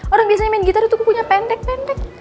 orang biasanya main gitar itu kukunya pendek pendek